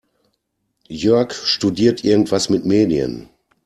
Jörg studiert irgendwas mit Medien.